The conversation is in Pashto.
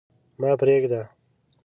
ما پرېږده.